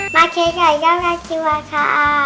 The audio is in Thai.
มาเช็ดสายเจ้ากาซิว่าค่ะ